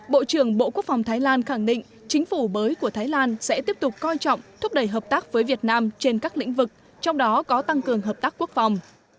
bộ trưởng bộ quốc phòng thái lan khẳng định chính phủ mới của thái lan sẽ tiếp tục coi trọng thúc đẩy hợp tác với việt nam trên các lĩnh vực trong đó có tăng cường hợp tác quốc phòng